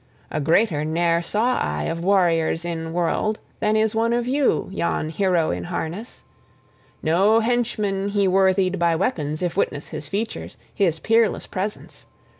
A greater ne'er saw I of warriors in world than is one of you, yon hero in harness! No henchman he worthied by weapons, if witness his features, his peerless presence!